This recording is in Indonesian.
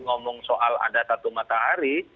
ngomong soal ada satu matahari